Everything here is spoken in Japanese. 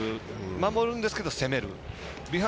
守るんですけど攻める。